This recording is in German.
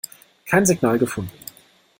Kein Signal gefunden.